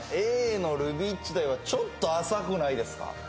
Ａの「ルビッチだよ」はちょっと浅くないですか？